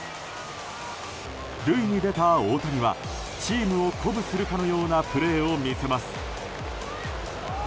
塁に出た大谷はチームを鼓舞するかのようなプレーを見せます。